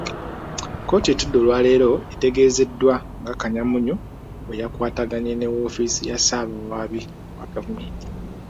Kkooti etudde olwaleero, etegeezeddwa nga Kanyamunyu bwe yakwataganye ne woofiisi ya ssaabawaabi wa gavumenti.